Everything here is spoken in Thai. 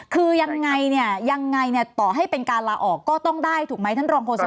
คือยังไงเนี่ยยังไงเนี่ยต่อให้เป็นการลาออกก็ต้องได้ถูกไหมท่านรองโศก